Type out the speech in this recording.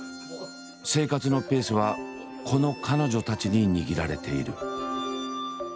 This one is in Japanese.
生活のペースはこの彼女たちに握られている。